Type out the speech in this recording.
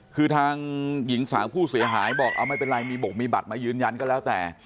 คือทางหญิงสาวผู้เสียหายบอกเอาไม่เป็นไรมีบกมีบัตรมายืนยันก็แล้วแต่